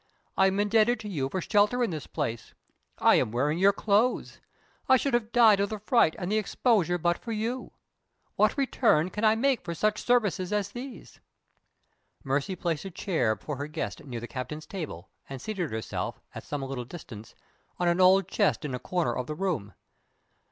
I am indebted to you for shelter in this place I am wearing your clothes I should have died of the fright and the exposure but for you. What return can I make for such services as these?" Mercy placed a chair for her guest near the captain's table, and seated herself, at some little distance, on an old chest in a corner of the room.